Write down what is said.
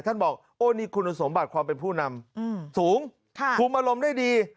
บอกโอ้นี่คุณสมบัติความเป็นผู้นำสูงคุมอารมณ์ได้ดี